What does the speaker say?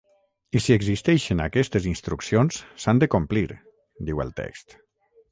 I si existeixen aquestes instruccions, s’han de complir, diu el text.